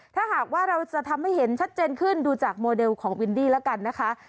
ถ้าหากว่าเราจะทำให้เห็นชัดเจนขึ้นดูจากโมเดลของวินดี้แล้วกันนะคะ